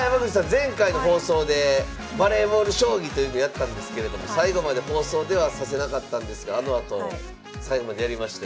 前回の放送でバレーボール将棋というのをやったんですけれども最後まで放送では指せなかったんですがあのあと最後までやりまして。